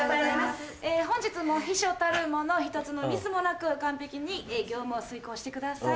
本日も秘書たる者１つのミスもなく完璧に業務を遂行してください。